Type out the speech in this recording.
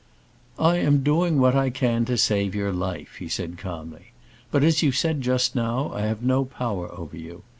"I am doing what I can to save your life," he said calmly; "but, as you said just now, I have no power over you.